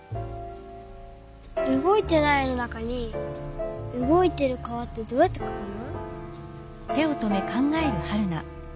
うごいてない絵の中にうごいてる川ってどうやってかくの？